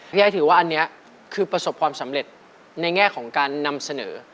ยายถือว่าอันนี้คือประสบความสำเร็จในแง่ของการนำเสนอ